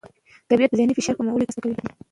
طبیعت د ذهني فشار کمولو کې مرسته کوي.